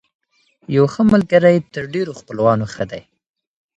يو ښه ملګری تر ډېرو خپلوانو ښه دی.